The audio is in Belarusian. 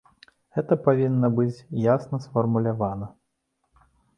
Гэта павінна быць ясна сфармулявана.